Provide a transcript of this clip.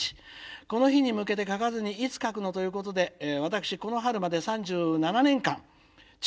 この日に向けて書かずにいつ書くのということで私この春まで３７年間中学校の教師をしておりました。